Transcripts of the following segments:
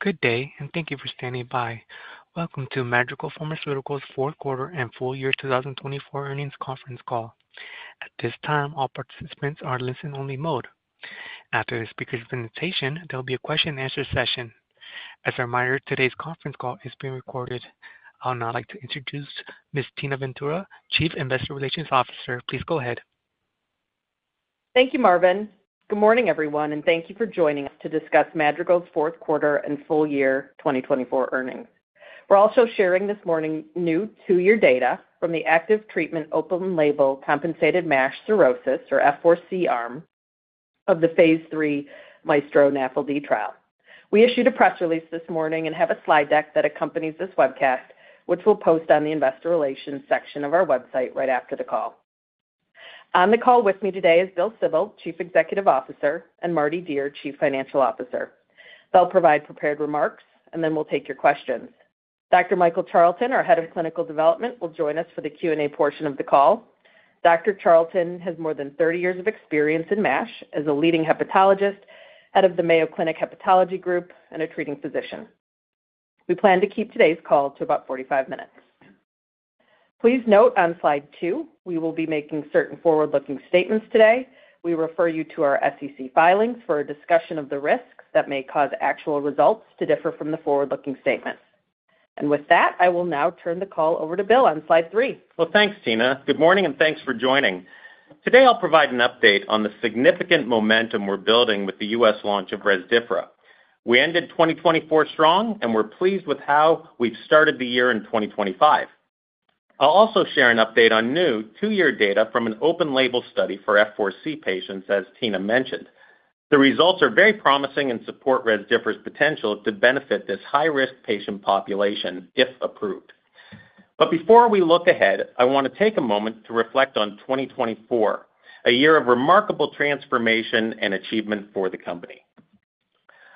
Good day, and thank you for standing by. Welcome to Madrigal Pharmaceuticals' Fourth Quarter and Full Year 2024 Earnings Conference Call. At this time, all participants are in listen-only mode. After the speaker's presentation, there will be a question-and-answer session. As a reminder, today's conference call is being recorded. I would now like to introduce Ms. Tina Ventura, Chief Investor Relations Officer. Please go ahead. Thank you, Marvin. Good morning, everyone, and thank you for joining us to discuss Madrigal's Fourth Quarter and Full Year 2024 Earnings. We're also sharing this morning new two-year data from the active treatment open-label compensated MASH cirrhosis, or F-4C arm of the phase III Maestro-NAFLD trial. We issued a press release this morning and have a slide deck that accompanies this webcast, which we'll post on the investor relations section of our website right after the call. On the call with me today is Bill Sibold, Chief Executive Officer, and Mardi Dier, Chief Financial Officer. They'll provide prepared remarks, and then we'll take your questions. Dr. Michael Charlton, our head of clinical development, will join us for the Q&A portion of the call. Dr. Charlton has more than 30 years of experience in MASH as a leading hepatologist, head of the Mayo Clinic Hepatology Group, and a treating physician. We plan to keep today's call to about 45 minutes. Please note on slide two, we will be making certain forward-looking statements today. We refer you to our SEC filings for a discussion of the risks that may cause actual results to differ from the forward-looking statements, and with that, I will now turn the call over to Bill on slide three. Well, thanks, Tina. Good morning, and thanks for joining. Today, I'll provide an update on the significant momentum we're building with the U.S. launch of Rezdiffra. We ended 2024 strong, and we're pleased with how we've started the year in 2025. I'll also share an update on new two-year data from an open-label study for F-4C patients, as Tina mentioned. The results are very promising and support Rezdiffra's potential to benefit this high-risk patient population if approved. But before we look ahead, I want to take a moment to reflect on 2024, a year of remarkable transformation and achievement for the company.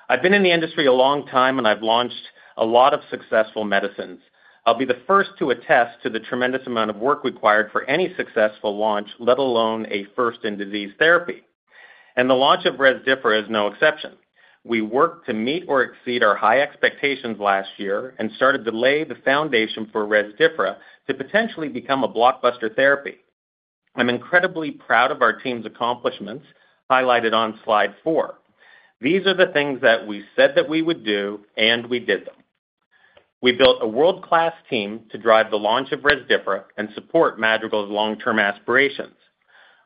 I've been in the industry a long time, and I've launched a lot of successful medicines. I'll be the first to attest to the tremendous amount of work required for any successful launch, let alone a first-in-disease therapy. And the launch of Rezdiffra is no exception. We worked to meet or exceed our high expectations last year and started to lay the foundation for Rezdiffra to potentially become a blockbuster therapy. I'm incredibly proud of our team's accomplishments highlighted on slide four. These are the things that we said that we would do, and we did them. We built a world-class team to drive the launch of Rezdiffra and support Madrigal's long-term aspirations.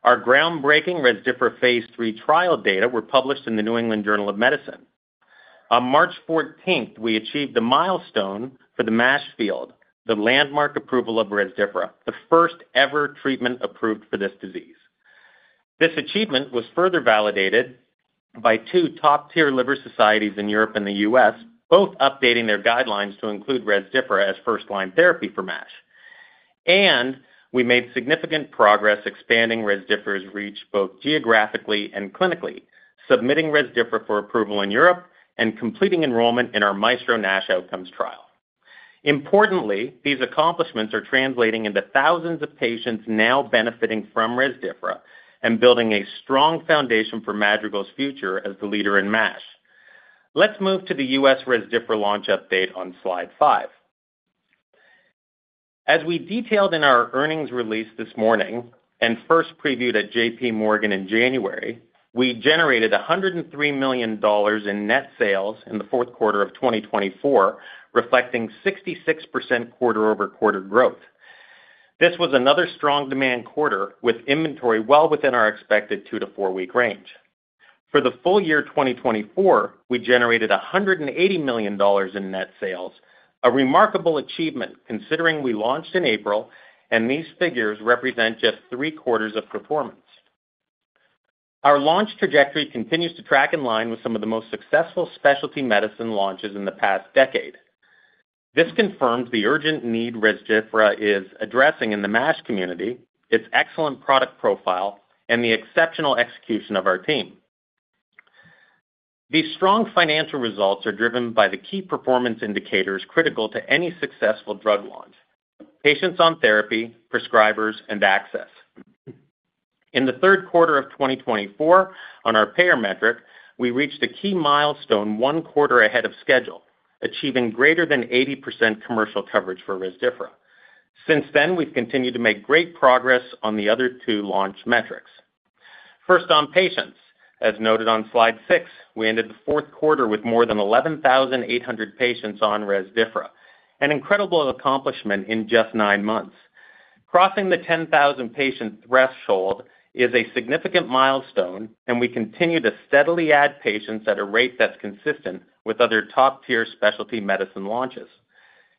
Our groundbreaking Rezdiffra phase III trial data were published in the New England Journal of Medicine. On March 14th, we achieved a milestone for the MASH field, the landmark approval of Rezdiffra, the first-ever treatment approved for this disease. This achievement was further validated by two top-tier liver societies in Europe and the U.S., both updating their guidelines to include Rezdiffra as first-line therapy for MASH. And we made significant progress expanding Rezdiffra's reach both geographically and clinically, submitting Rezdiffra for approval in Europe and completing enrollment in our Maestro-NASH outcomes trial. Importantly, these accomplishments are translating into thousands of patients now benefiting from Rezdiffra and building a strong foundation for Madrigal's future as the leader in MASH. Let's move to the U.S. Rezdiffra launch update on slide five. As we detailed in our earnings release this morning and first previewed at JPMorgan in January, we generated $103 million in net sales in the fourth quarter of 2024, reflecting 66% quarter-over-quarter growth. This was another strong demand quarter, with inventory well within our expected two to four-week range. For the full year 2024, we generated $180 million in net sales, a remarkable achievement considering we launched in April, and these figures represent just three-quarters of performance. Our launch trajectory continues to track in line with some of the most successful specialty medicine launches in the past decade. This confirms the urgent need Rezdiffra is addressing in the MASH community, its excellent product profile, and the exceptional execution of our team. These strong financial results are driven by the key performance indicators critical to any successful drug launch: patients on therapy, prescribers, and access. In the third quarter of 2024, on our payer metric, we reached a key milestone one quarter ahead of schedule, achieving greater than 80% commercial coverage for Rezdiffra. Since then, we've continued to make great progress on the other two launch metrics. First on patients, as noted on slide six, we ended the fourth quarter with more than 11,800 patients on Rezdiffra, an incredible accomplishment in just nine months. Crossing the 10,000 patient threshold is a significant milestone, and we continue to steadily add patients at a rate that's consistent with other top-tier specialty medicine launches.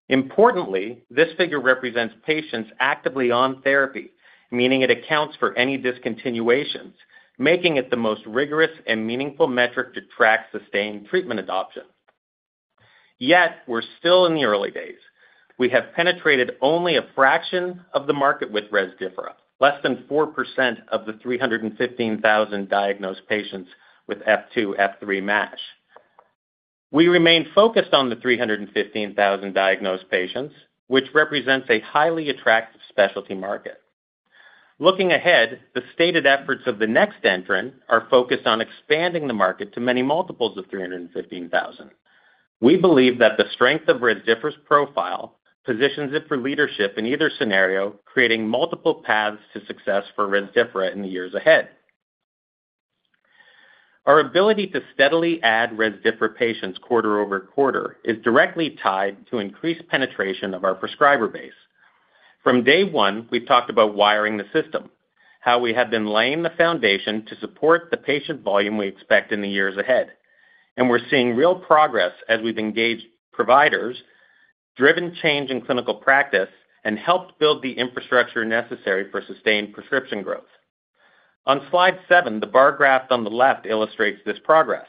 Importantly, this figure represents patients actively on therapy, meaning it accounts for any discontinuations, making it the most rigorous and meaningful metric to track sustained treatment adoption. Yet, we're still in the early days. We have penetrated only a fraction of the market with Rezdiffra, less than 4% of the 315,000 diagnosed patients with F2/F3 MASH. We remain focused on the 315,000 diagnosed patients, which represents a highly attractive specialty market. Looking ahead, the stated efforts of the next entrant are focused on expanding the market to many multiples of 315,000. We believe that the strength of Rezdiffra's profile positions it for leadership in either scenario, creating multiple paths to success for Rezdiffra in the years ahead. Our ability to steadily add Rezdiffra patients quarter over quarter is directly tied to increased penetration of our prescriber base. From day one, we've talked about wiring the system, how we have been laying the foundation to support the patient volume we expect in the years ahead. And we're seeing real progress as we've engaged providers, driven change in clinical practice, and helped build the infrastructure necessary for sustained prescription growth. On slide seven, the bar graph on the left illustrates this progress.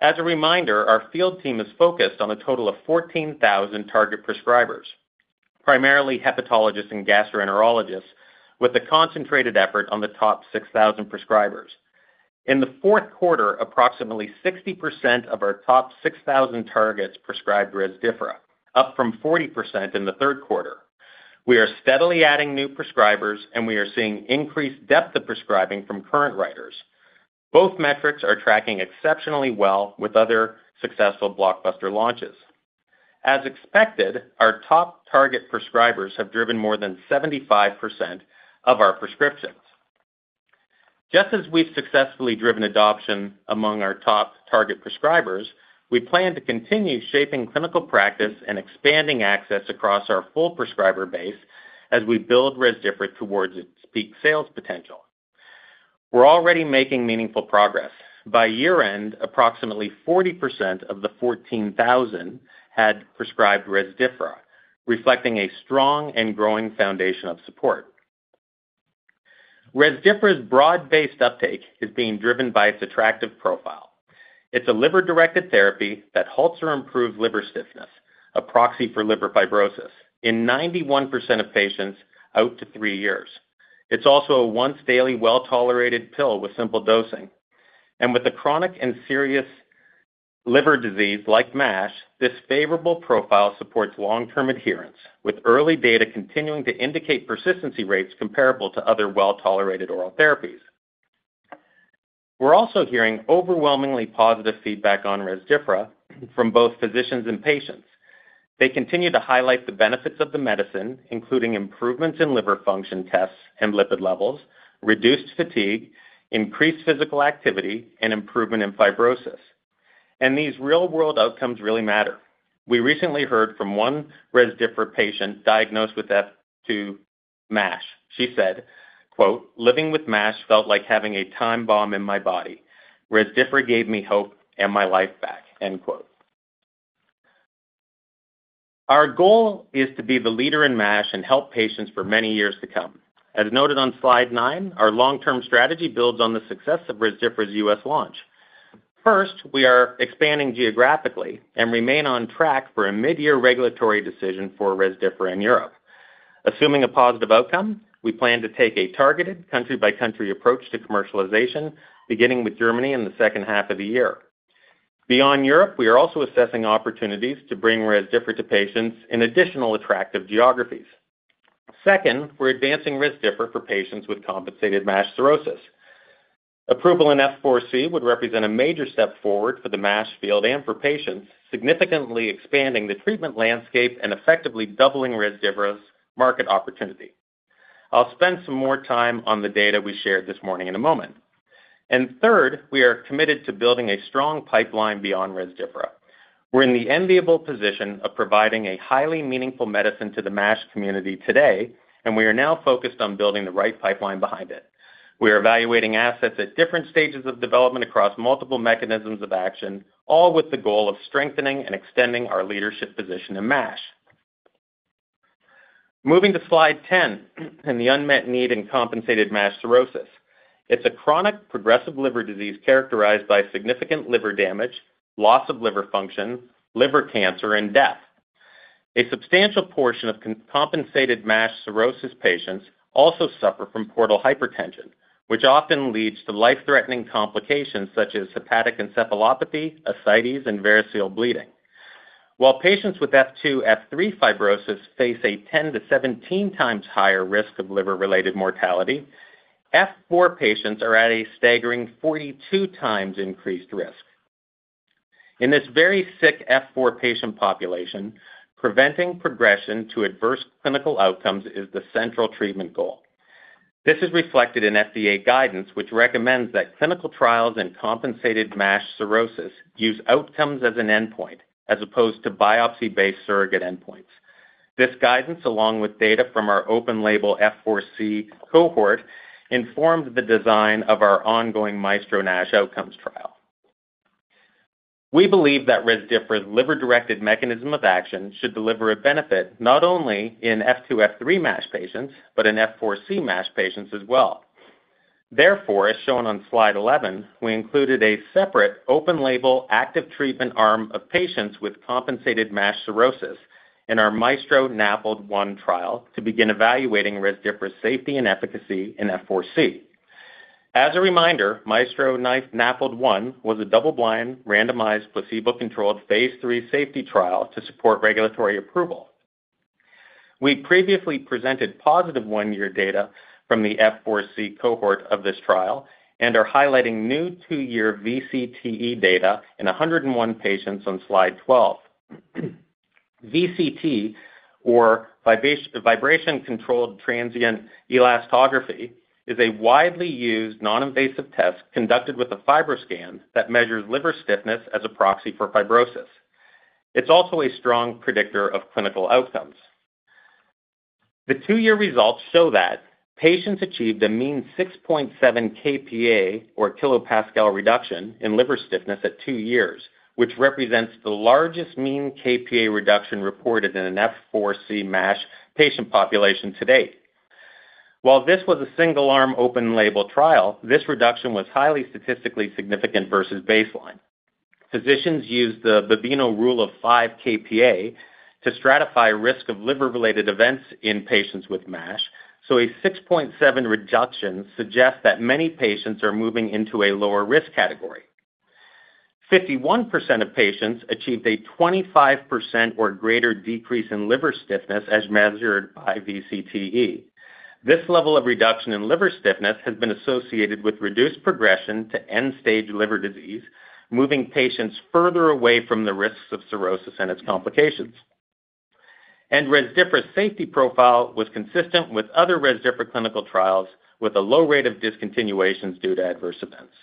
As a reminder, our field team is focused on a total of 14,000 target prescribers, primarily hepatologists and gastroenterologists, with a concentrated effort on the top 6,000 prescribers. In the fourth quarter, approximately 60% of our top 6,000 targets prescribed Rezdiffra, up from 40% in the third quarter. We are steadily adding new prescribers, and we are seeing increased depth of prescribing from current writers. Both metrics are tracking exceptionally well with other successful blockbuster launches. As expected, our top target prescribers have driven more than 75% of our prescriptions. Just as we've successfully driven adoption among our top target prescribers, we plan to continue shaping clinical practice and expanding access across our full prescriber base as we build Rezdiffra towards its peak sales potential. We're already making meaningful progress. By year-end, approximately 40% of the 14,000 had prescribed Rezdiffra, reflecting a strong and growing foundation of support. Rezdiffra's broad-based uptake is being driven by its attractive profile. It's a liver-directed therapy that halts or improves liver stiffness, a proxy for liver fibrosis, in 91% of patients out to three years. It's also a once-daily, well-tolerated pill with simple dosing. With a chronic and serious liver disease like MASH, this favorable profile supports long-term adherence, with early data continuing to indicate persistency rates comparable to other well-tolerated oral therapies. We're also hearing overwhelmingly positive feedback on Rezdiffra from both physicians and patients. They continue to highlight the benefits of the medicine, including improvements in liver function tests and lipid levels, reduced fatigue, increased physical activity, and improvement in fibrosis. These real-world outcomes really matter. We recently heard from one Rezdiffra patient diagnosed with F2 MASH. She said, "Living with MASH felt like having a time bomb in my body. Rezdiffra gave me hope and my life back." Our goal is to be the leader in MASH and help patients for many years to come. As noted on slide nine, our long-term strategy builds on the success of Rezdiffra's U.S. launch. First, we are expanding geographically and remain on track for a mid-year regulatory decision for Rezdiffra in Europe. Assuming a positive outcome, we plan to take a targeted country-by-country approach to commercialization, beginning with Germany in the second half of the year. Beyond Europe, we are also assessing opportunities to bring Rezdiffra to patients in additional attractive geographies. Second, we're advancing Rezdiffra for patients with compensated MASH cirrhosis. Approval in F-4C would represent a major step forward for the MASH field and for patients, significantly expanding the treatment landscape and effectively doubling Rezdiffra's market opportunity. I'll spend some more time on the data we shared this morning in a moment. And third, we are committed to building a strong pipeline beyond Rezdiffra. We're in the enviable position of providing a highly meaningful medicine to the MASH community today, and we are now focused on building the right pipeline behind it. We are evaluating assets at different stages of development across multiple mechanisms of action, all with the goal of strengthening and extending our leadership position in MASH. Moving to slide 10 and the unmet need in compensated MASH cirrhosis. It's a chronic progressive liver disease characterized by significant liver damage, loss of liver function, liver cancer, and death. A substantial portion of compensated MASH cirrhosis patients also suffer from portal hypertension, which often leads to life-threatening complications such as hepatic encephalopathy, ascites, and variceal bleeding. While patients with F2/F3 fibrosis face a 10-17 times higher risk of liver-related mortality, F4 patients are at a staggering 42 times increased risk. In this very sick F4 patient population, preventing progression to adverse clinical outcomes is the central treatment goal. This is reflected in FDA guidance, which recommends that clinical trials in compensated MASH cirrhosis use outcomes as an endpoint, as opposed to biopsy-based surrogate endpoints. This guidance, along with data from our open-label F-4C cohort, informed the design of our ongoing Maestro-NASH outcomes trial. We believe that Rezdiffra's liver-directed mechanism of action should deliver a benefit not only in F2/F3 MASH patients, but in F-4C MASH patients as well. Therefore, as shown on slide 11, we included a separate open-label active treatment arm of patients with compensated MASH cirrhosis in our Maestro-NAFLD-1 trial to begin evaluating Rezdiffra's safety and efficacy in F-4C. As a reminder, Maestro-NAFLD-1 was a double-blind, randomized, placebo-controlled phase III safety trial to support regulatory approval. We previously presented positive one-year data from the F-4C cohort of this trial and are highlighting new two-year VCTE data in 101 patients on slide 12. VCTE, or vibration-controlled transient elastography, is a widely used non-invasive test conducted with a FibroScan that measures liver stiffness as a proxy for fibrosis. It's also a strong predictor of clinical outcomes. The two-year results show that patients achieved a mean 6.7 kPa, or kilopascal, reduction in liver stiffness at two years, which represents the largest mean kPa reduction reported in an F-4C MASH patient population to date. While this was a single-arm open-label trial, this reduction was highly statistically significant versus baseline. Physicians used the Baveno rule of five kPa to stratify risk of liver-related events in patients with MASH, so a 6.7 reduction suggests that many patients are moving into a lower risk category. 51% of patients achieved a 25% or greater decrease in liver stiffness as measured by VCTE. This level of reduction in liver stiffness has been associated with reduced progression to end-stage liver disease, moving patients further away from the risks of cirrhosis and its complications, and Rezdiffra's safety profile was consistent with other Rezdiffra clinical trials, with a low rate of discontinuations due to adverse events.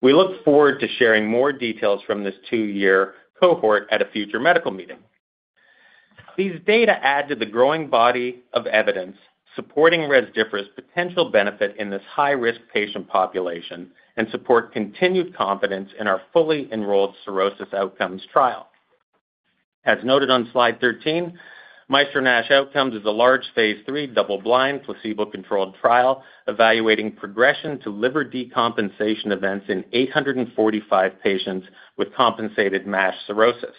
We look forward to sharing more details from this two-year cohort at a future medical meeting. These data add to the growing body of evidence supporting Rezdiffra's potential benefit in this high-risk patient population and support continued confidence in our fully enrolled cirrhosis outcomes trial. As noted on slide 13, Maestro-NASH outcomes is a large phase three double-blind, placebo-controlled trial evaluating progression to liver decompensation events in 845 patients with compensated MASH cirrhosis.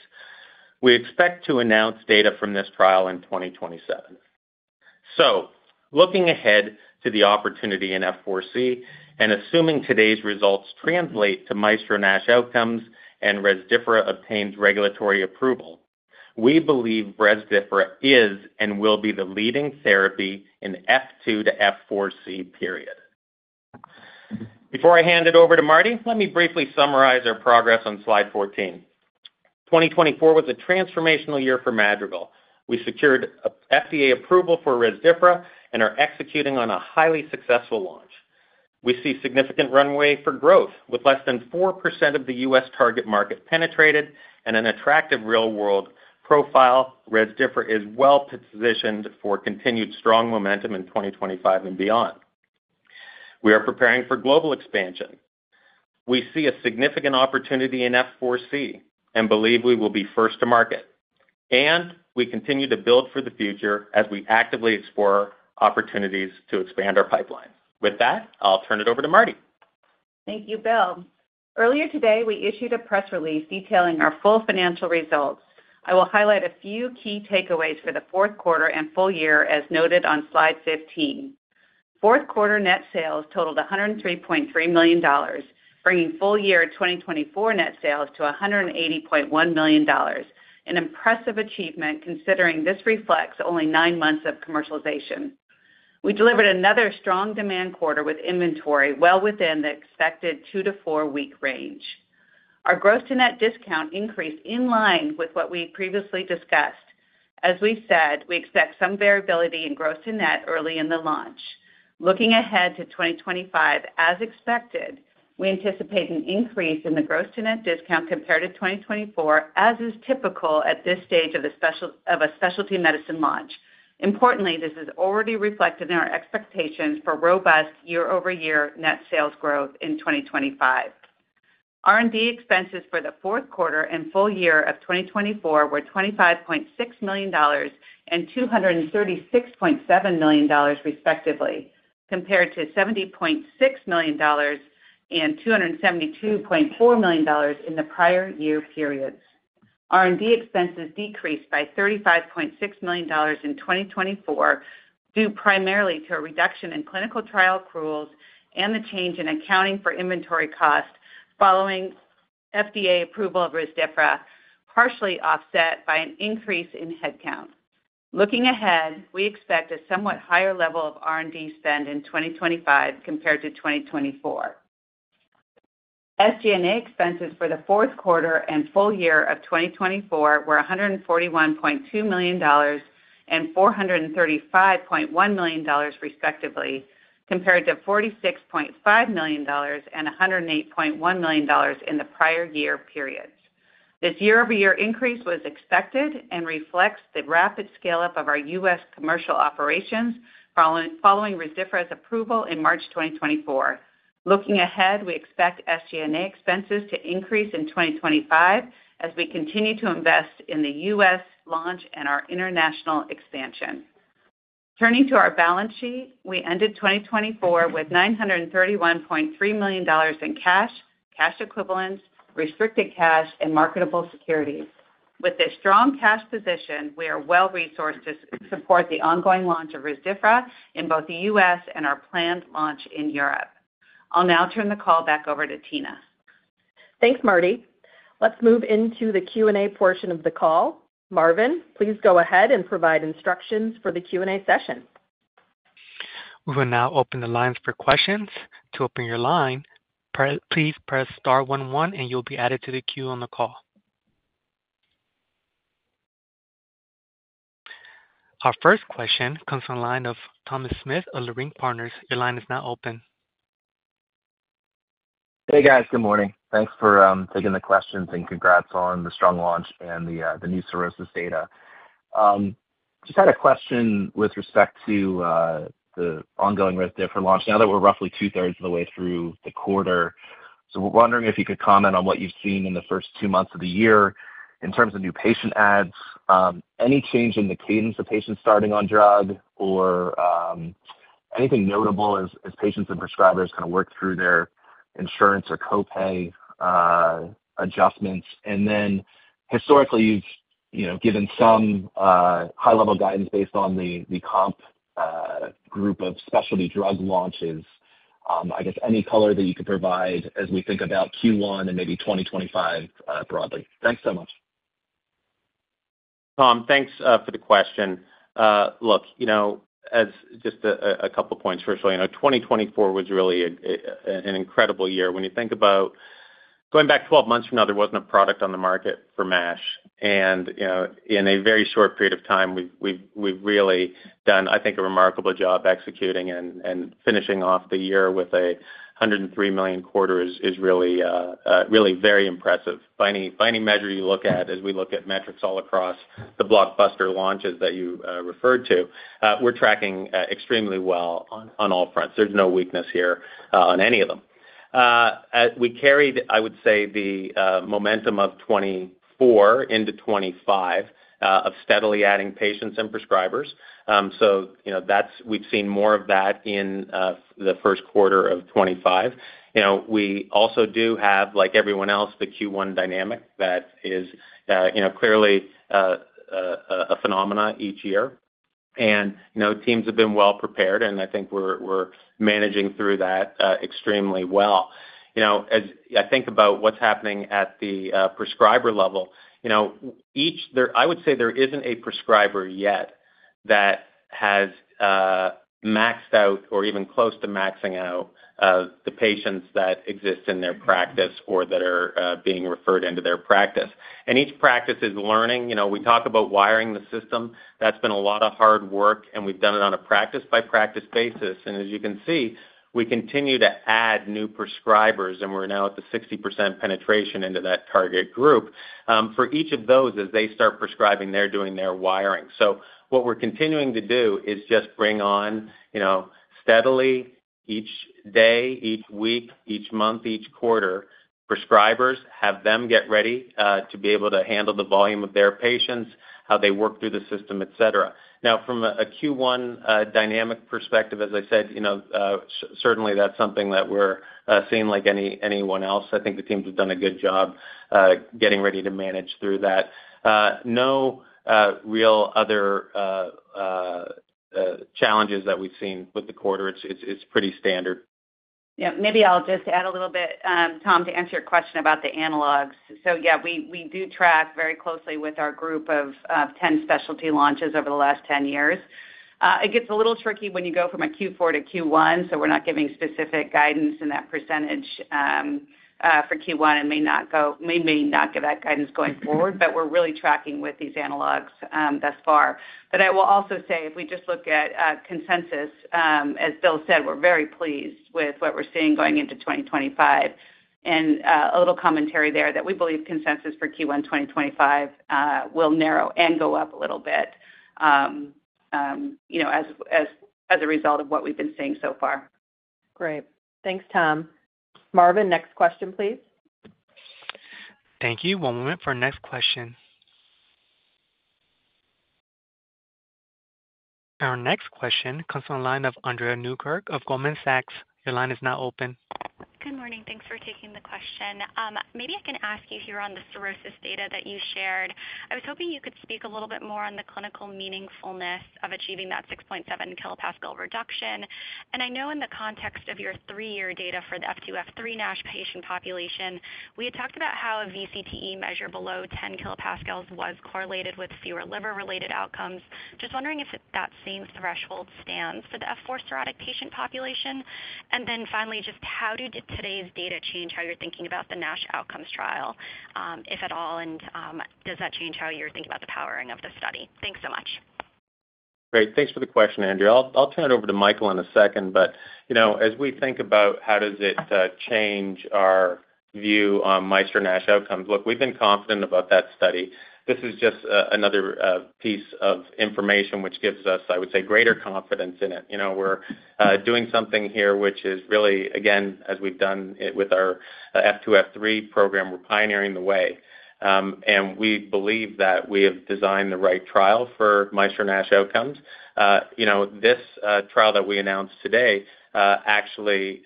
We expect to announce data from this trial in 2027. Looking ahead to the opportunity in F-4C and assuming today's results translate to Maestro-NASH outcomes and Rezdiffra obtains regulatory approval, we believe Rezdiffra is and will be the leading therapy in F2 to F-4C. Before I hand it over to Mardi, let me briefly summarize our progress on slide 14. 2024 was a transformational year for Madrigal. We secured FDA approval for Rezdiffra and are executing on a highly successful launch. We see significant runway for growth with less than 4% of the U.S. target market penetrated and an attractive real-world profile. Rezdiffra is well-positioned for continued strong momentum in 2025 and beyond. We are preparing for global expansion. We see a significant opportunity in F-4C and believe we will be first to market. We continue to build for the future as we actively explore opportunities to expand our pipeline. With that, I'll turn it over to Mardi. Thank you, Bill. Earlier today, we issued a press release detailing our full financial results. I will highlight a few key takeaways for the fourth quarter and full year as noted on slide 15. Fourth quarter net sales totaled $103.3 million, bringing full year 2024 net sales to $180.1 million, an impressive achievement considering this reflects only nine months of commercialization. We delivered another strong demand quarter with inventory well within the expected two- to four-week range. Our gross-to-net discount increased in line with what we previously discussed. As we said, we expect some variability in gross-to-net early in the launch. Looking ahead to 2025, as expected, we anticipate an increase in the gross-to-net discount compared to 2024, as is typical at this stage of a specialty medicine launch. Importantly, this is already reflected in our expectations for robust year-over-year net sales growth in 2025. R&D expenses for the fourth quarter and full year of 2024 were $25.6 million and $236.7 million, respectively, compared to $70.6 million and $272.4 million in the prior year periods. R&D expenses decreased by $35.6 million in 2024 due primarily to a reduction in clinical trial accruals and the change in accounting for inventory costs following FDA approval of Rezdiffra, partially offset by an increase in headcount. Looking ahead, we expect a somewhat higher level of R&D spend in 2025 compared to 2024. SG&A expenses for the fourth quarter and full year of 2024 were $141.2 million and $435.1 million, respectively, compared to $46.5 million and $108.1 million in the prior year periods. This year-over-year increase was expected and reflects the rapid scale-up of our U.S. commercial operations following Rezdiffra's approval in March 2024. Looking ahead, we expect SG&A expenses to increase in 2025 as we continue to invest in the U.S. launch and our international expansion. Turning to our balance sheet, we ended 2024 with $931.3 million in cash, cash equivalents, restricted cash, and marketable securities. With this strong cash position, we are well-resourced to support the ongoing launch of Rezdiffra in both the U.S. and our planned launch in Europe. I'll now turn the call back over to Tina. Thanks, Mardi. Let's move into the Q&A portion of the call. Marvin, please go ahead and provide instructions for the Q&A session. We will now open the lines for questions. To open your line, please press star 11, and you'll be added to the queue on the call. Our first question comes from the line of Thomas Smith of Leerink Partners. Your line is now open. Hey, guys. Good morning. Thanks for taking the questions and congrats on the strong launch and the new cirrhosis data. Just had a question with respect to the ongoing Rezdiffra launch now that we're roughly two-thirds of the way through the quarter. So we're wondering if you could comment on what you've seen in the first two months of the year in terms of new patient adds, any change in the cadence of patients starting on drug, or anything notable as patients and prescribers kind of work through their insurance or copay adjustments. And then historically, you've given some high-level guidance based on the comp group of specialty drug launches. I guess any color that you could provide as we think about Q1 and maybe 2025 broadly. Thanks so much. Tom, thanks for the question. Look, as just a couple of points first, 2024 was really an incredible year. When you think about going back 12 months from now, there wasn't a product on the market for MASH, and in a very short period of time, we've really done, I think, a remarkable job executing and finishing off the year with a $103 million quarter, which is really very impressive. By any measure you look at, as we look at metrics all across the blockbuster launches that you referred to, we're tracking extremely well on all fronts. There's no weakness here on any of them. We carried, I would say, the momentum of 2024 into 2025 of steadily adding patients and prescribers. So we've seen more of that in the first quarter of 2025. We also do have, like everyone else, the Q1 dynamic that is clearly a phenomenon each year, and teams have been well prepared, and I think we're managing through that extremely well. As I think about what's happening at the prescriber level, I would say there isn't a prescriber yet that has maxed out or even close to maxing out the patients that exist in their practice or that are being referred into their practice. And each practice is learning. We talk about wiring the system. That's been a lot of hard work, and we've done it on a practice-by-practice basis. And as you can see, we continue to add new prescribers, and we're now at the 60% penetration into that target group. For each of those, as they start prescribing, they're doing their wiring. So what we're continuing to do is just bring on steadily each day, each week, each month, each quarter prescribers, have them get ready to be able to handle the volume of their patients, how they work through the system, etc. Now, from a Q1 dynamic perspective, as I said, certainly that's something that we're seeing like anyone else. I think the teams have done a good job getting ready to manage through that. No real other challenges that we've seen with the quarter. It's pretty standard. Yeah. Maybe I'll just add a little bit, Tom, to answer your question about the analogs. So yeah, we do track very closely with our group of 10 specialty launches over the last 10 years. It gets a little tricky when you go from a Q4 to Q1, so we're not giving specific guidance in that percentage for Q1 and may not give that guidance going forward, but we're really tracking with these analogs thus far. But I will also say, if we just look at consensus, as Bill said, we're very pleased with what we're seeing going into 2025. And a little commentary there that we believe consensus for Q1 2025 will narrow and go up a little bit as a result of what we've been seeing so far. Great. Thanks, Tom. Marvin, next question, please. Thank you. One moment for our next question. Our next question comes from the line of Andrea Newkirk of Goldman Sachs. Your line is now open. Good morning. Thanks for taking the question. Maybe I can ask you here on the cirrhosis data that you shared. I was hoping you could speak a little bit more on the clinical meaningfulness of achieving that 6.7 kilopascal reduction. And I know in the context of your three-year data for the F2, F3-NASH patient population, we had talked about how a VCTE measure below 10 kPa was correlated with fewer liver-related outcomes. Just wondering if that same threshold stands for the F4 cirrhotic patient population. And then finally, just how did today's data change how you're thinking about the NASH outcomes trial, if at all, and does that change how you're thinking about the powering of the study? Thanks so much. Great. Thanks for the question, Andrea. I'll turn it over to Michael in a second. But as we think about how does it change our view on Maestro-NASH outcomes, look, we've been confident about that study. This is just another piece of information which gives us, I would say, greater confidence in it. We're doing something here which is really, again, as we've done with our F2, F3 program, we're pioneering the way. And we believe that we have designed the right trial for Maestro-NASH outcomes. This trial that we announced today actually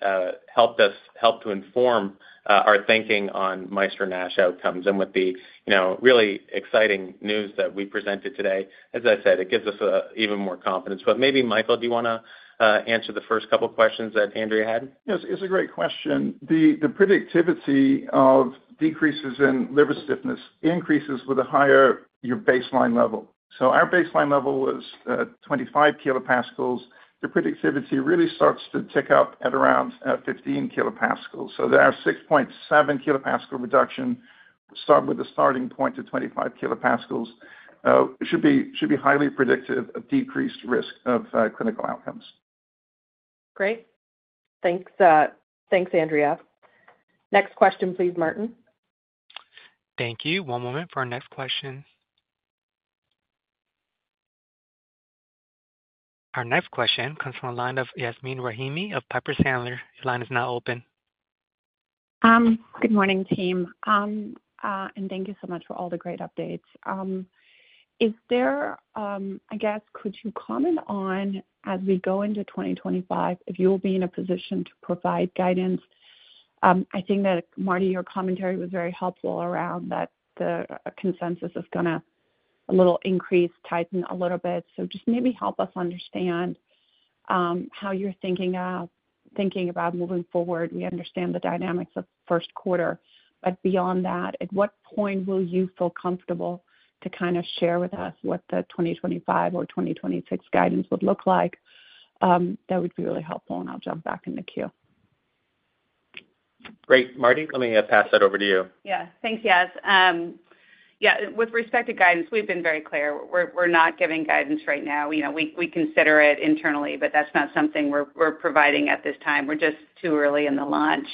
helped to inform our thinking on Maestro-NASH outcomes. And with the really exciting news that we presented today, as I said, it gives us even more confidence. But maybe, Michael, do you want to answer the first couple of questions that Andrea had? It's a great question. The predictivity of decreases in liver stiffness increases with a higher baseline level. So our baseline level was 25 kPa. The predictivity really starts to tick up at around 15 kPa. So there are 6.7 kPa reduction. We'll start with a starting point of 25 kPa. It should be highly predictive of decreased risk of clinical outcomes. Great. Thanks, Andrea. Next question, please, Marvin. Thank you. One moment for our next question. Our next question comes from the line of Yasmeen Rahimi of Piper Sandler. Your line is now open. Good morning, team. And thank you so much for all the great updates. I guess, could you comment on, as we go into 2025, if you'll be in a position to provide guidance? I think that, Mardi, your commentary was very helpful around that the consensus is going to a little increase, tighten a little bit. So just maybe help us understand how you're thinking about moving forward. We understand the dynamics of first quarter. But beyond that, at what point will you feel comfortable to kind of share with us what the 2025 or 2026 guidance would look like? That would be really helpful, and I'll jump back in the queue. Great. Mardi, let me pass that over to you. Yeah. Thanks, Yaz. Yeah. With respect to guidance, we've been very clear. We're not giving guidance right now. We consider it internally, but that's not something we're providing at this time. We're just too early in the launch.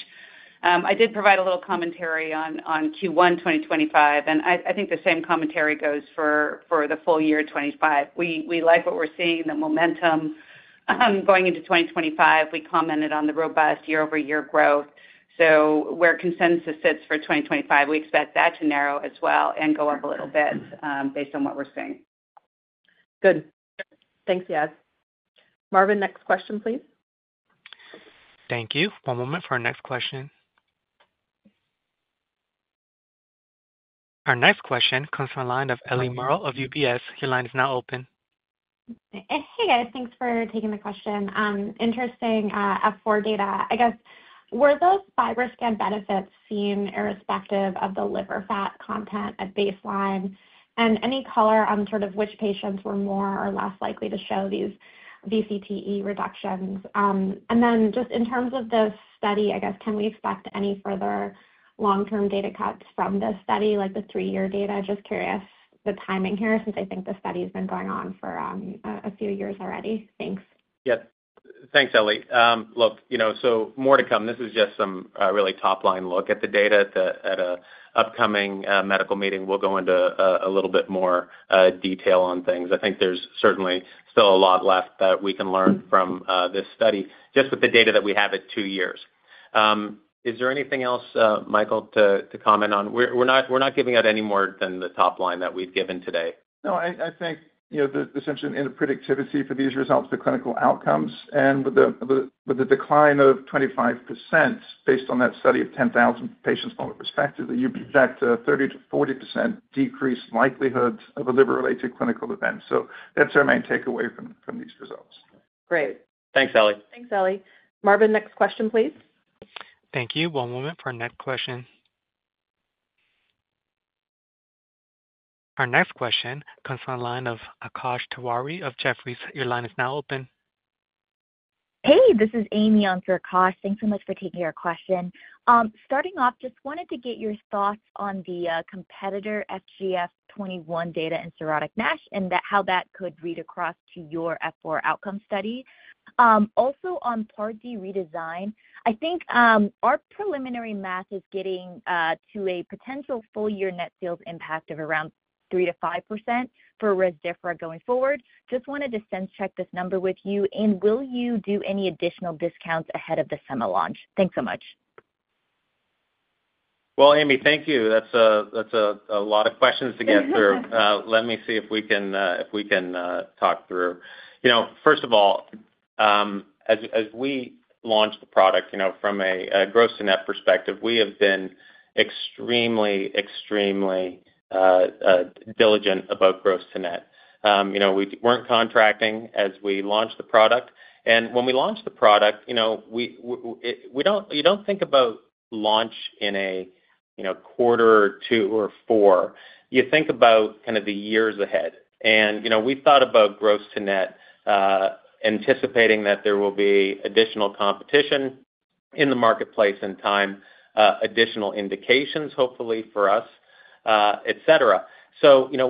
I did provide a little commentary on Q1 2025, and I think the same commentary goes for the full-year 2025. We like what we're seeing, the momentum going into 2025. We commented on the robust year-over-year growth. So where consensus sits for 2025, we expect that to narrow as well and go up a little bit based on what we're seeing. Good. Thanks, Yaz. Marvin, next question, please. Thank you. One moment for our next question. Our next question comes from the line of Ellie Merle of UBS. Your line is now open. Hey, guys. Thanks for taking the question. Interesting F4 data. I guess, were those FibroScan benefits seen irrespective of the liver fat content at baseline? And any color on sort of which patients were more or less likely to show these VCTE reductions? And then just in terms of this study, I guess, can we expect any further long-term data cuts from this study, like the three-year data? Just curious the timing here since I think the study has been going on for a few years already. Thanks. Yep. Thanks, Ellie. Look, so more to come. This is just some really top-line look at the data. At an upcoming medical meeting, we'll go into a little bit more detail on things. I think there's certainly still a lot left that we can learn from this study just with the data that we have at two years. Is there anything else, Michael, to comment on? We're not giving out any more than the top line that we've given today. No, I think the essential predictivity for these results with the clinical outcomes and with the decline of 25% based on that study of 10,000 patients from a perspective, that you project a 30%-40% decreased likelihood of a liver-related clinical event. So that's our main takeaway from these results. Great. Thanks, Ellie. Thanks, Ellie. Marvin, next question, please. Thank you. One moment for our next question. Our next question comes from the line of Akash Tewari of Jefferies. Your line is now open. Hey, this is Amy on for Akash. Thanks so much for taking our question. Starting off, just wanted to get your thoughts on the competitor FGF-21 data in Cirrhotic-NASH and how that could read across to your F4 outcome study. Also, on Part D redesign, I think our preliminary math is getting to a potential full-year net sales impact of around 3%-5% for Rezdiffra going forward. Just wanted to sense-check this number with you. And will you do any additional discounts ahead of the Sema launch? Thanks so much. Well, Amy, thank you. That's a lot of questions to get through. Let me see if we can talk through. First of all, as we launched the product from a gross-to-net perspective, we have been extremely, extremely diligent about gross-to-net. We weren't contracting as we launched the product. And when we launched the product, you don't think about launch in a quarter or two or four. You think about kind of the years ahead. And we thought about gross-to-net, anticipating that there will be additional competition in the marketplace in time, additional indications, hopefully, for us, etc.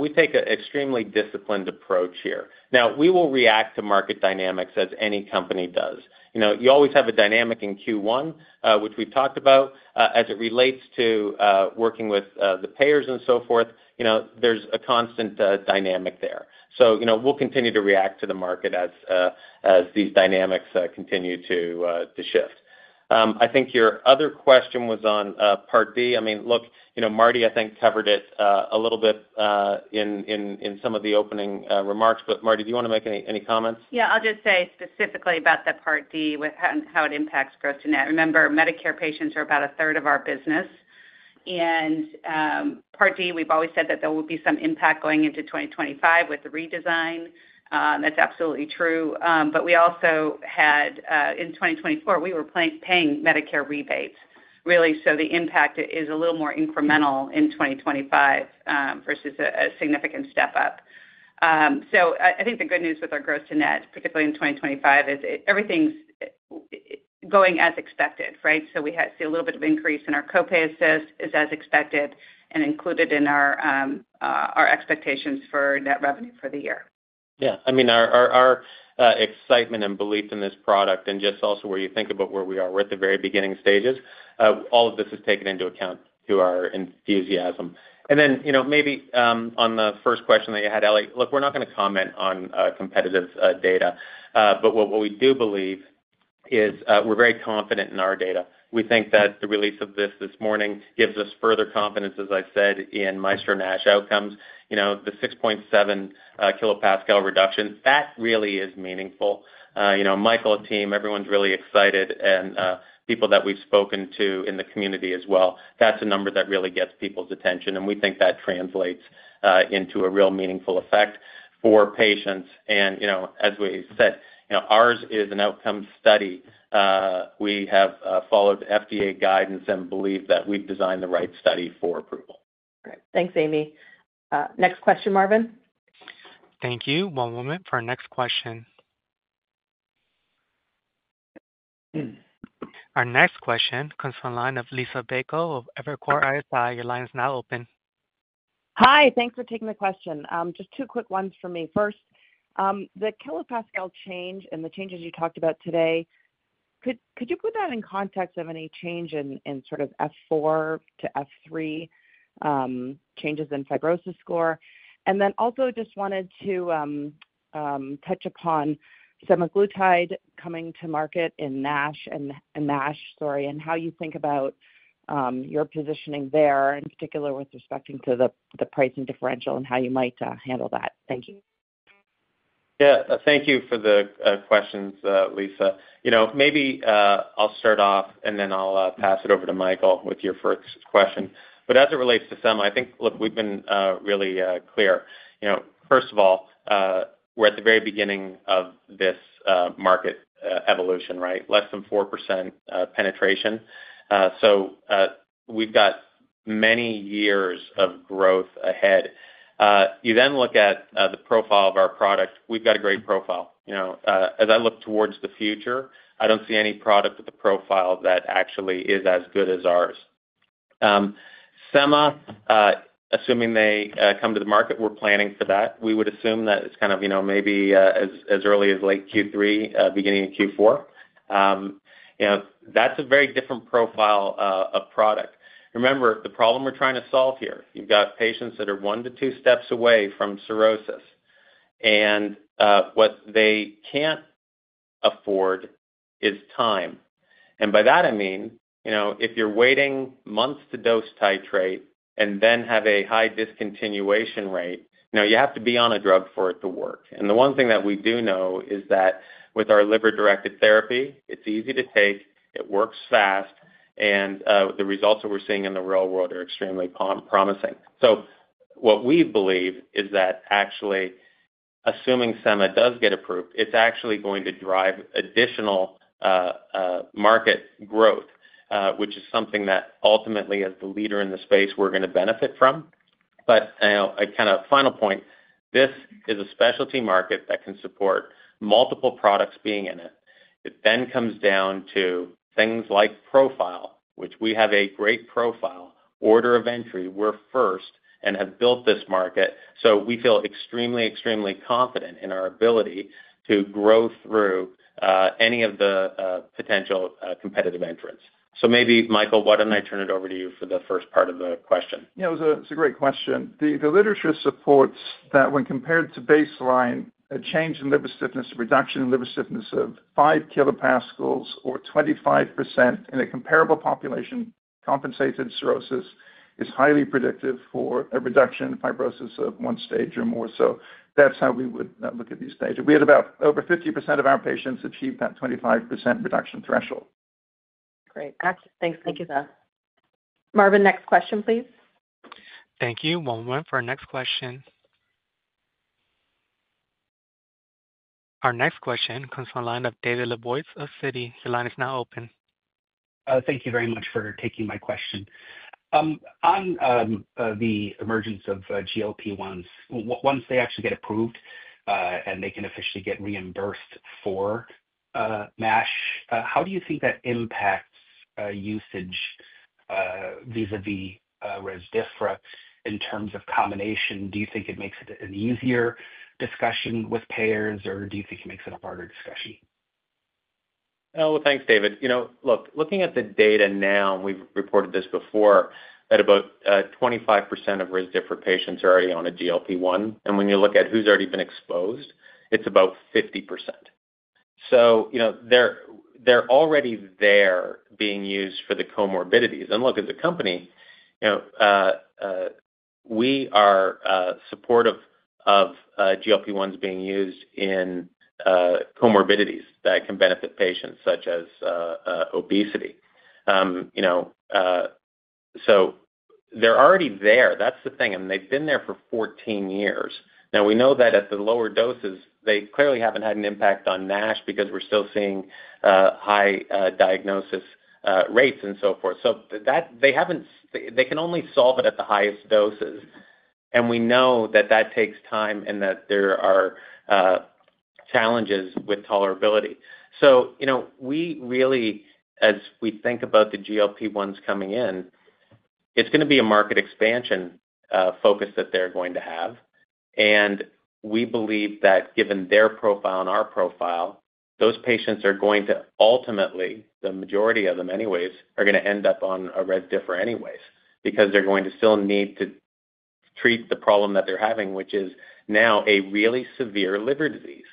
We take an extremely disciplined approach here. Now, we will react to market dynamics as any company does. You always have a dynamic in Q1, which we've talked about. As it relates to working with the payers and so forth, there's a constant dynamic there. So we'll continue to react to the market as these dynamics continue to shift. I think your other question was on Part D. I mean, look, Mardi, I think, covered it a little bit in some of the opening remarks. But Mardi, do you want to make any comments? Yeah. I'll just say specifically about the Part D and how it impacts gross-to-net. Remember, Medicare patients are about a third of our business. And Part D, we've always said that there will be some impact going into 2025 with the redesign. That's absolutely true. But we also had, in 2024, we were paying Medicare rebates, really. So the impact is a little more incremental in 2025 versus a significant step up. So I think the good news with our gross-to-net, particularly in 2025, is everything's going as expected, right? So we see a little bit of increase in our copay assist as expected and included in our expectations for net revenue for the year. Yeah. I mean, our excitement and belief in this product and just also where you think about where we are at the very beginning stages, all of this is taken into account to our enthusiasm. And then maybe on the first question that you had, Ellie, look, we're not going to comment on competitive data. But what we do believe is we're very confident in our data. We think that the release of this morning gives us further confidence, as I said, in Maestro-NASH outcomes. The 6.7 kPa reduction, that really is meaningful. Michael, team, everyone's really excited. And people that we've spoken to in the community as well, that's a number that really gets people's attention. And we think that translates into a real meaningful effect for patients. And as we said, ours is an outcome study. We have followed FDA guidance and believe that we've designed the right study for approval. Great. Thanks, Amy. Next question, Marvin. Thank you. One moment for our next question. Our next question comes from the line of Liisa Bayko of Evercore ISI. Your line is now open. Hi. Thanks for taking the question. Just two quick ones for me. First, the kilopascal change and the changes you talked about today, could you put that in context of any change in sort of F4 to F3 changes in fibrosis score? And then also just wanted to touch upon Semaglutide coming to market in NASH and NASH, sorry, and how you think about your positioning there, in particular with respect to the pricing differential and how you might handle that. Thank you. Yeah. Thank you for the questions, Liisa. Maybe I'll start off, and then I'll pass it over to Michael with your first question. But as it relates to Sema, I think, look, we've been really clear. First of all, we're at the very beginning of this market evolution, right? Less than 4% penetration. So we've got many years of growth ahead. You then look at the profile of our product. We've got a great profile. As I look towards the future, I don't see any product with a profile that actually is as good as ours. Sema, assuming they come to the market, we're planning for that. We would assume that it's kind of maybe as early as late Q3, beginning of Q4. That's a very different profile of product. Remember, the problem we're trying to solve here, you've got patients that are one to two steps away from cirrhosis, and what they can't afford is time, and by that, I mean, if you're waiting months to dose titrate and then have a high discontinuation rate, you have to be on a drug for it to work, and the one thing that we do know is that with our liver-directed therapy, it's easy to take. It works fast, and the results that we're seeing in the real world are extremely promising, so what we believe is that actually, assuming Sema does get approved, it's actually going to drive additional market growth, which is something that ultimately, as the leader in the space, we're going to benefit from. But kind of final point, this is a specialty market that can support multiple products being in it. It then comes down to things like profile, which we have a great profile, order of entry. We're first and have built this market. So we feel extremely, extremely confident in our ability to grow through any of the potential competitive entrants. So maybe, Michael, why don't I turn it over to you for the first part of the question? Yeah. It's a great question. The literature supports that when compared to baseline, a change in liver stiffness, a reduction in liver stiffness of five kPa or 25% in a comparable population compensated cirrhosis is highly predictive for a reduction in fibrosis of one stage or more. So that's how we would look at these data. We had about over 50% of our patients achieve that 25% reduction threshold. Great. Thanks, Liisa. Marvin, next question, please. Thank you. One moment for our next question. Our next question comes from the line of David Lebowitz of Citi. Your line is now open. Thank you very much for taking my question. On the emergence of GLP-1s, once they actually get approved and they can officially get reimbursed for MASH, how do you think that impacts usage vis-à-vis Rezdiffra in terms of combination? Do you think it makes it an easier discussion with payers, or do you think it makes it a harder discussion? Well, thanks, David. Look, looking at the data now, and we've reported this before, that about 25% of Rezdiffra patients are already on a GLP-1. And when you look at who's already been exposed, it's about 50%. So they're already there being used for the comorbidities. And look, as a company, we are supportive of GLP-1s being used in comorbidities that can benefit patients such as obesity. So they're already there. That's the thing. And they've been there for 14 years. Now, we know that at the lower doses, they clearly haven't had an impact on NASH because we're still seeing high diagnosis rates and so forth. So they can only solve it at the highest doses. And we know that that takes time and that there are challenges with tolerability. So we really, as we think about the GLP-1s coming in, it's going to be a market expansion focus that they're going to have. And we believe that given their profile and our profile, those patients are going to ultimately, the majority of them anyways, are going to end up on a Rezdiffra anyways because they're going to still need to treat the problem that they're having, which is now a really severe liver disease,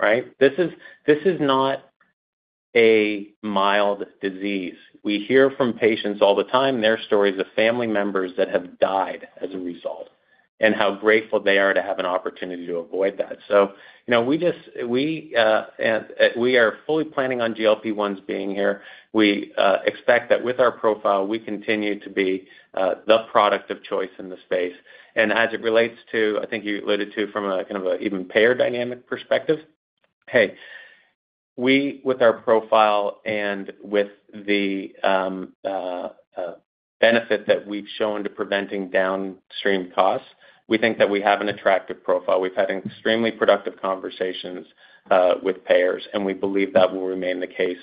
right? This is not a mild disease. We hear from patients all the time, their stories of family members that have died as a result and how grateful they are to have an opportunity to avoid that. So we are fully planning on GLP-1s being here. We expect that with our profile, we continue to be the product of choice in the space. And as it relates to, I think you alluded to from a kind of an even payer dynamic perspective, hey, with our profile and with the benefit that we've shown to preventing downstream costs, we think that we have an attractive profile. We've had extremely productive conversations with payers. And we believe that will remain the case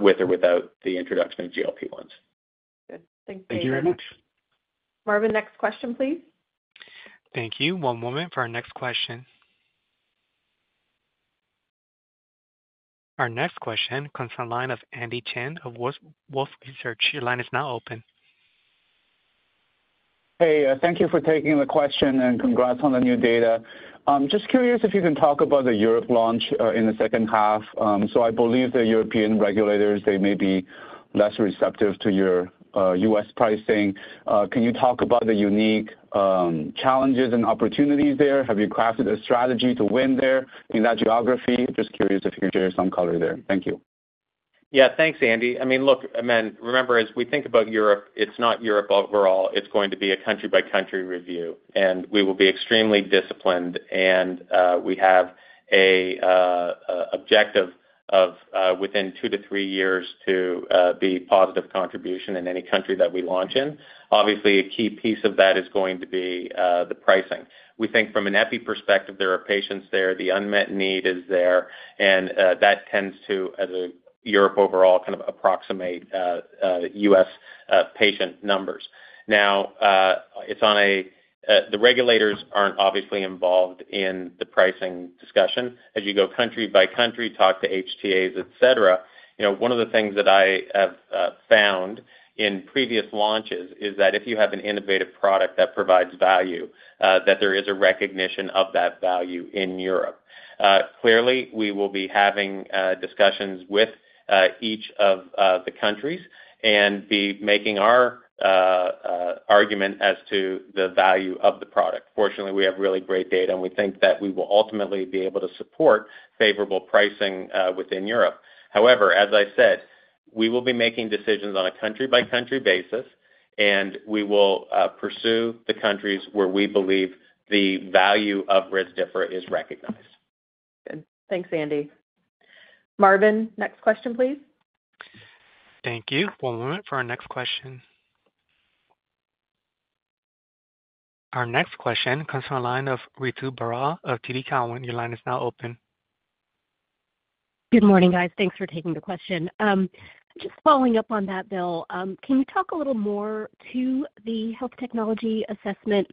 with or without the introduction of GLP-1s. Good. Thanks. Thank you very much. Marvin, next question, please. Thank you. One moment for our next question. Our next question comes from the line of Andy Chen of Wolfe Research. Your line is now open. Hey, thank you for taking the question and congrats on the new data. Just curious if you can talk about the Europe launch in the second half. So I believe the European regulators, they may be less receptive to your U.S. pricing. Can you talk about the unique challenges and opportunities there? Have you crafted a strategy to win there in that geography? Just curious if you can share some color there. Thank you. Yeah. Thanks, Andy. I mean, look, remember, as we think about Europe, it's not Europe overall. It's going to be a country-by-country review. And we will be extremely disciplined. And we have an objective of within two to three years to be a positive contribution in any country that we launch in. Obviously, a key piece of that is going to be the pricing. We think from an epi perspective, there are patients there. The unmet need is there. And that tends to, as a Europe overall, kind of approximate U.S. patient numbers. Now, the regulators aren't obviously involved in the pricing discussion. As you go country by country, talk to HTAs, etc., one of the things that I have found in previous launches is that if you have an innovative product that provides value, that there is a recognition of that value in Europe. Clearly, we will be having discussions with each of the countries and be making our argument as to the value of the product. Fortunately, we have really great data, and we think that we will ultimately be able to support favorable pricing within Europe. However, as I said, we will be making decisions on a country-by-country basis, and we will pursue the countries where we believe the value of Rezdiffra is recognized. Good. Thanks, Andy. Marvin, next question, please. Thank you. One moment for our next question. Our next question comes from the line of Ritu Baral of TD Cowen. Your line is now open. Good morning, guys. Thanks for taking the question. Just following up on that, Bill, can you talk a little more to the health technology assessment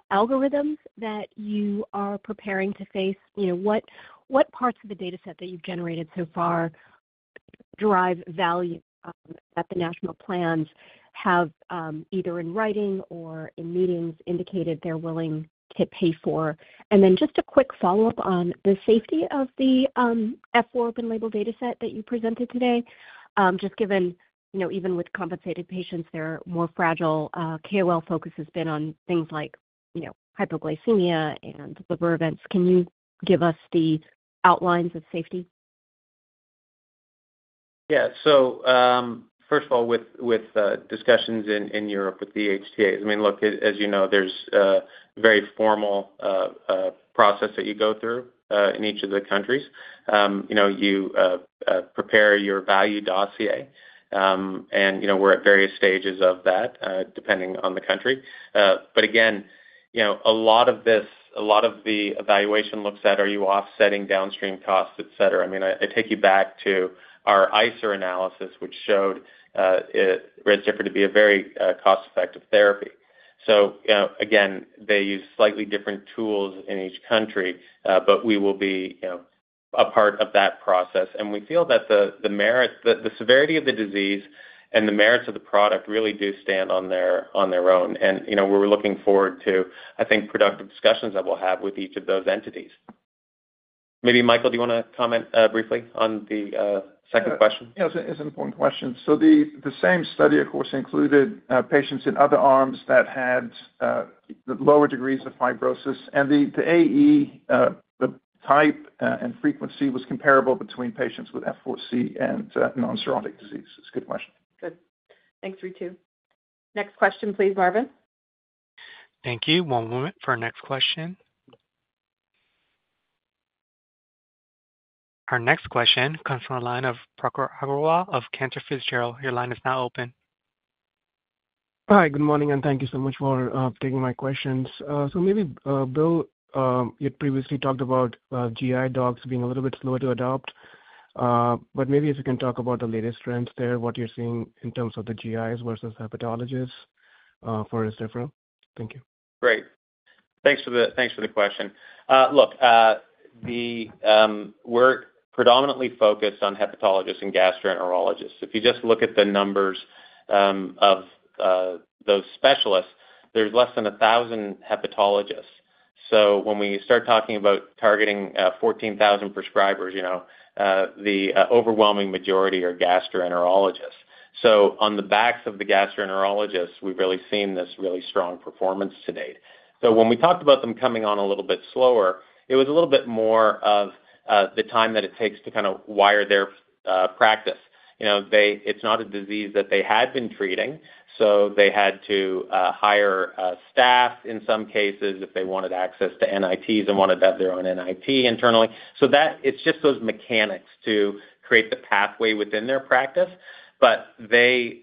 assessments that you are preparing to face? What parts of the dataset that you've generated so far drive value that the national plans have, either in writing or in meetings, indicated they're willing to pay for? And then just a quick follow-up on the safety of the F4 open-label dataset that you presented today. Just given even with compensated patients, they're more fragile, KOL focus has been on things like hypoglycemia and liver events. Can you give us the outlines of safety? Yeah. So first of all, with discussions in Europe with the HTAs, I mean, look, as you know, there's a very formal process that you go through in each of the countries. You prepare your value dossier. And we're at various stages of that, depending on the country. But again, a lot of this, a lot of the evaluation looks at, are you offsetting downstream costs, etc.? I mean, I take you back to our ICER analysis, which showed Rezdiffra to be a very cost-effective therapy. So again, they use slightly different tools in each country. But we will be a part of that process. And we feel that the severity of the disease and the merits of the product really do stand on their own. And we're looking forward to, I think, productive discussions that we'll have with each of those entities. Maybe, Michael, do you want to comment briefly on the second question? Yeah. It's an important question. So the same study, of course, included patients in other arms that had lower degrees of fibrosis. And the AE, the type and frequency, was comparable between patients with F-4C and non-cirrhotic disease. It's a good question. Good. Thanks, Ritu. Next question, please, Marvin. Thank you. One moment for our next question. Our next question comes from the line of Prakhar Agrawal of Cantor Fitzgerald. Your line is now open. Hi. Good morning. And thank you so much for taking my questions. So maybe, Bill, you'd previously talked about GI docs being a little bit slower to adopt. But maybe if you can talk about the latest trends there, what you're seeing in terms of the GIs versus hepatologists for Rezdiffra. Thank you. Great. Thanks for the question. Look, we're predominantly focused on hepatologists and gastroenterologists. If you just look at the numbers of those specialists, there's less than 1,000 hepatologists. So when we start talking about targeting 14,000 prescribers, the overwhelming majority are gastroenterologists. So on the backs of the gastroenterologists, we've really seen this really strong performance to date. So when we talked about them coming on a little bit slower, it was a little bit more of the time that it takes to kind of wire their practice. It's not a disease that they had been treating. So they had to hire staff in some cases if they wanted access to NITs and wanted to have their own NIT internally. So it's just those mechanics to create the pathway within their practice. But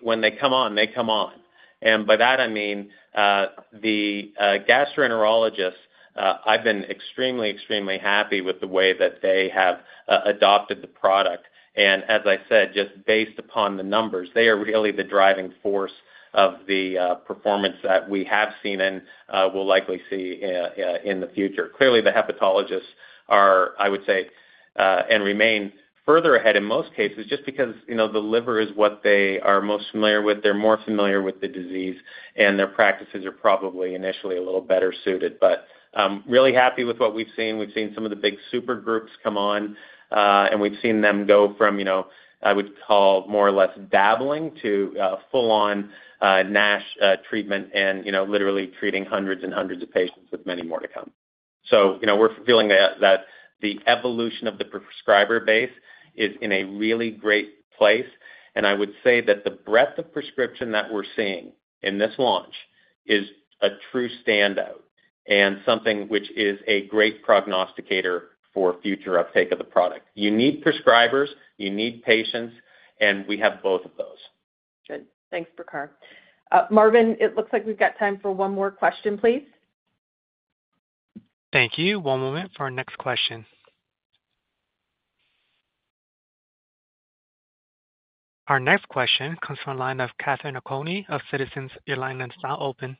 when they come on, they come on. And by that, I mean the gastroenterologists, I've been extremely, extremely happy with the way that they have adopted the product. And as I said, just based upon the numbers, they are really the driving force of the performance that we have seen and will likely see in the future. Clearly, the hepatologists are, I would say, and remain further ahead in most cases just because the liver is what they are most familiar with. They're more familiar with the disease. And their practices are probably initially a little better suited. But really happy with what we've seen. We've seen some of the big super groups come on. And we've seen them go from, I would call, more or less dabbling to full-on NASH treatment and literally treating hundreds and hundreds of patients with many more to come. So we're feeling that the evolution of the prescriber base is in a really great place. And I would say that the breadth of prescription that we're seeing in this launch is a true standout and something which is a great prognosticator for future uptake of the product. You need prescribers. You need patients. And we have both of those. Good. Thanks, Prakhar. Marvin, it looks like we've got time for one more question, please. Thank you. One moment for our next question. Our next question comes from the line of Katherine Okoniewski of Citizens. Your line is now open.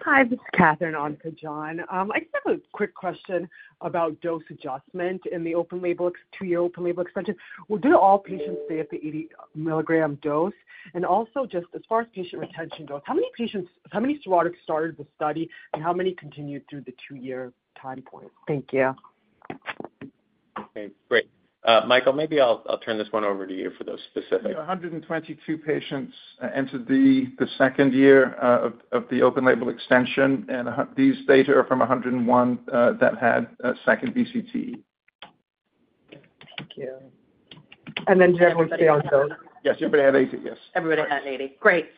Hi. This is Katherine on for John. I just have a quick question about dose adjustment in the two-year open-label extension. Do all patients stay at the 80 mg dose? And also, just as far as patient retention goes, how many cirrhotics started the study? And how many continued through the two-year time point? Thank you. Okay. Great. Michael, maybe I'll turn this one over to you for those specific. 122 patients entered the second year of the open-label extension. And these data are from 101 that had a second VCTE. [inaudible] And then did everyone stay on dose? Yes. Everybody had 80. Yes. Everybody had 80. Great.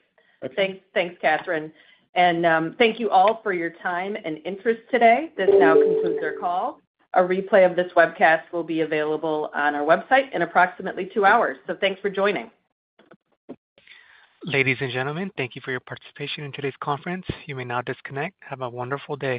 Thanks, Katherine. And thank you all for your time and interest today. This now concludes our call. A replay of this webcast will be available on our website in approximately two hours. So thanks for joining. Ladies and gentlemen, thank you for your participation in today's conference. You may now disconnect. Have a wonderful day.